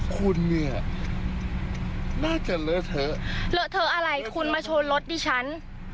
คุณมาชนรถดิฉัน